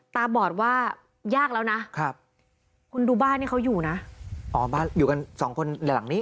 บอดว่ายากแล้วนะครับคุณดูบ้านที่เขาอยู่นะอ๋อบ้านอยู่กันสองคนหลังนี้